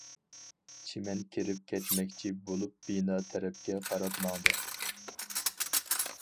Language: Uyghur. چىمەن كىرىپ كەتمەكچى بولۇپ بىنا تەرەپكە قاراپ ماڭدى.